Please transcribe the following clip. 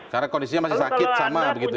karena kondisinya masih sakit sama begitu ya